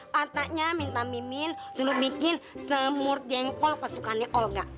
pantahnya minta mimin suruh bikin semur jengkol pasukannya olga